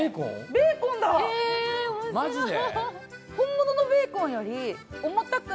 ベーコンだマジで？